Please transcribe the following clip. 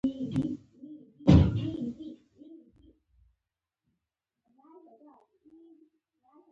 هغه د خپل مرشد په نېکیو مین شو